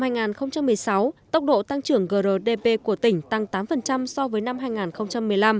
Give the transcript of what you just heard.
năm hai nghìn một mươi sáu tốc độ tăng trưởng grdp của tỉnh tăng tám so với năm hai nghìn một mươi năm